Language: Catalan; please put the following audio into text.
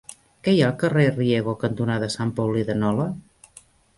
Què hi ha al carrer Riego cantonada Sant Paulí de Nola?